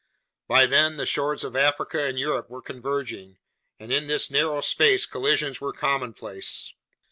By then the shores of Africa and Europe were converging, and in this narrow space collisions were commonplace.